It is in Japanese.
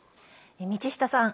道下さん